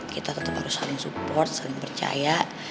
kita tetap harus saling support saling percaya